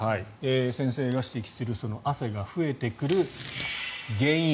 先生が指摘する汗が増えてくる原因。